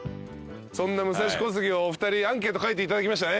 そんな武蔵小杉をお二人アンケート書いていただきましたね。